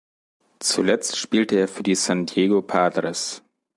Zuletzt spielte er für die San Diego Padres.